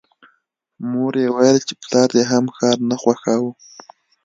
مور یې ویل چې پلار دې هم ښار نه خوښاوه